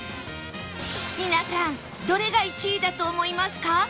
皆さんどれが１位だと思いますか？